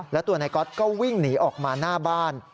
แล้วตัวนายก๊อตก็วิ่งหนีออกมาหน้าบ้าน